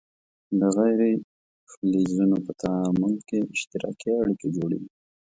د غیر فلزونو په تعامل کې اشتراکي اړیکې جوړیږي.